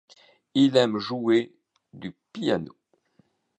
Il aime jouer du piano.